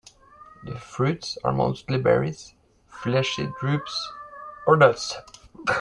The fruits are mostly berries, fleshy drupes, or nuts.